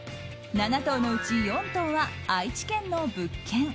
７棟のうち４棟は愛知県の物件。